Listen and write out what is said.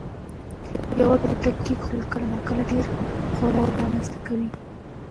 یوه ټوټه کېک خوړل کله ناکله ډېر خوراک رامنځ ته کوي.